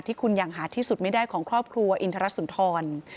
ที่คุณอย่างหาที่สุดไม่ได้ของครอบครัวอินทรสุนทร